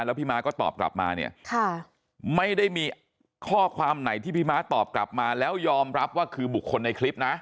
แล้วพี่ม้าก็ตอบกลับมาเนี่ยไม่ได้มีข้อความไหนที่พี่ม้าตอบกลับมาแล้วยอมรับว่าคือบุคคลในคลิปนะ